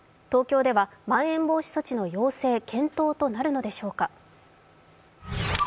東京ではまん延防止措置の要請・検討となるのでしょうか。